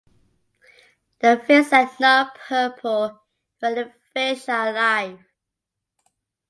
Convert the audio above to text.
The fins are not purple when the fish are alive.